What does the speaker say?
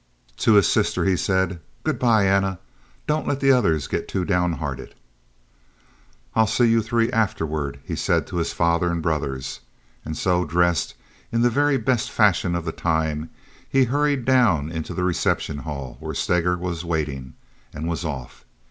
To his sister he said: "Good by, Anna. Don't let the others get too down hearted." "I'll see you three afterward," he said to his father and brothers; and so, dressed in the very best fashion of the time, he hurried down into the reception hall, where Steger was waiting, and was off.